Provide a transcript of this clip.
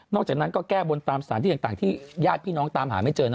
นอกจากนั้นก็แก้บนตามศาลที่ต่างที่แยกพี่น้องตามหาไม่เจอเนอะ